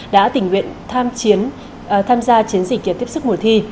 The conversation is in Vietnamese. đã tình nguyện tham gia chiến dịch kiến tiếp sức mùa thi